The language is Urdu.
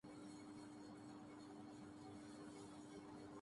ہم آج شام کو ملیں گے